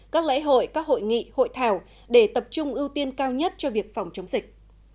các lễ hội các hội nghị hội thảo để tập trung ưu tiên cao nhất cho việc phòng chống dịch